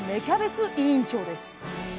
キャベツ委員長です